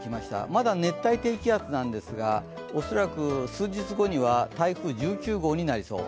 まだ熱帯低気圧なんですが恐らくあさってには台風１９号になりそう。